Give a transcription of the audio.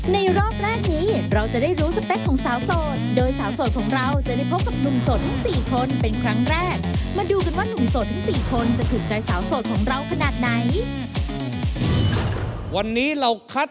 ในรอบแรกนี้เราจะได้รู้สเปคของสาวโสด